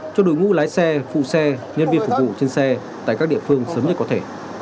cho đội ngũ lái xe phụ xe nhân viên phục vụ trên xe tại các địa phương sớm nhất có thể